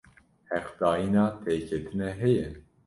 Heqdayina têketinê heye?